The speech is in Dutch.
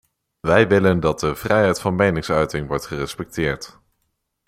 Wij willen dat de vrijheid van meningsuiting wordt gerespecteerd.